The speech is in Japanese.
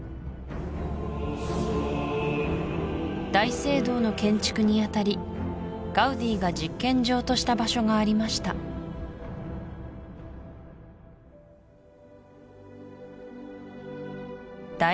大聖堂の建築にあたりガウディが実験場とした場所がありましただ